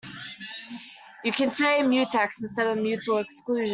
You can say mutex instead of mutual exclusion.